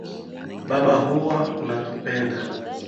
Baba huwa unatupenda.